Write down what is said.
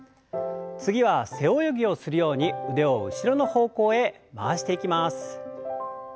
次は背泳ぎをするように腕を後ろの方向へ回していきます。